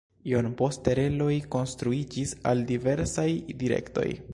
Iom poste reloj konstruiĝis al diversaj direktoj.